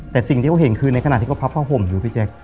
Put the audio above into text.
แต่สิ่งที่เขาเห็นคือในขณะที่เขาพับผ้าห่มอยู่พี่แจ๊ค